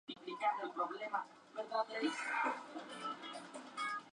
Junto al río Guadiana posee un moderno embarcadero para pequeñas embarcaciones.